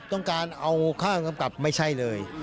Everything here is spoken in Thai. ต้องการเอาค่ากำกับไม่ใช่เลย